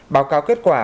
báo cáo kết quả